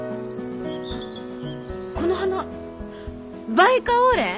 この花バイカオウレン？